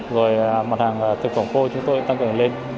rồi mặt hàng thực phẩm khô chúng tôi tăng cường lên